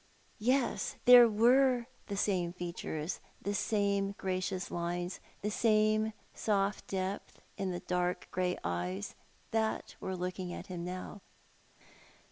Yes, there were the same features, the same gracious lines, the same soft depth in the dark grey eyes that were looking at him now.